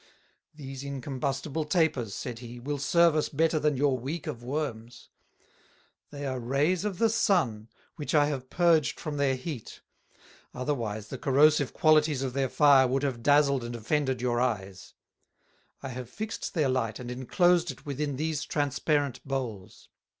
"These incombustible Tapers," said he, "will serve us better than your Week of Worms. They are Rays of the Sun, which I have purged from their Heat; otherwise, the corrosive qualities of their Fire would have dazzled and offended your Eyes; I have fixed their Light, and inclosed it within these transparent Bowls.